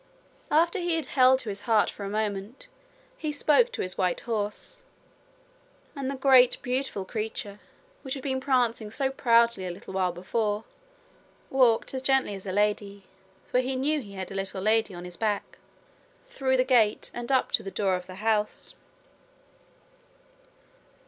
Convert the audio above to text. After he had held her to his heart for a minute he spoke to his white horse, and the great beautiful creature, which had been prancing so proudly a little while before, walked as gently as a lady for he knew he had a little lady on his back through the gate and up to the door of the house.